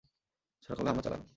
ছোটখাটো হামলা চালালাম।